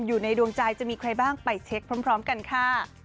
อยู่ในดวงใจจะมีใครบ้างไปเช็คพร้อมกันค่ะ